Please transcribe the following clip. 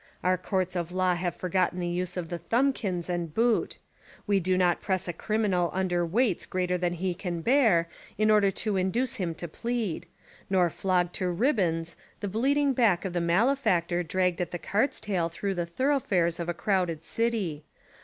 Our courts of law have forgotten the use of the thumbklns and boot; we do not press a criminal under "weights greater than he can bear" in order to induce 49 Essays and Literary Studies him to plead; nor flog to ribbands the bleed ing back of the malefactor dragged at the cart's tail through the thoroughfares of a crowded city.